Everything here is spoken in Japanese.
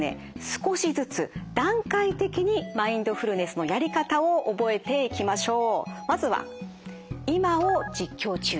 少しずつ段階的にマインドフルネスのやり方を覚えていきましょう。